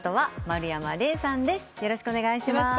よろしくお願いします。